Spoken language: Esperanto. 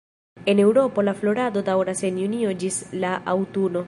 En Eŭropo la florado daŭras de junio ĝis la aŭtuno.